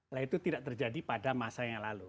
nah itu tidak terjadi pada masa yang lalu